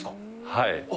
はい。